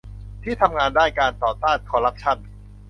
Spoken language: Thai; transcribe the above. ที่ทำงานด้านการต่อต้านคอร์รัปชั่น